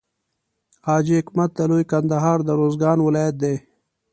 حاجي حکمت د لوی کندهار د روزګان ولایت دی.